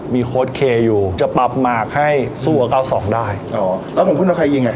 มีโค้ดเคอยู่จะปรับหมากให้สู้กับเก้าสองได้อ๋อแล้วผมขึ้นกับใครยิงอ่ะ